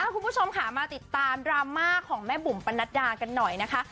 คุณผู้ชมค่ะมาติดตามดราม่าของแม่บุ๋มปนัดดากันหน่อยนะคะ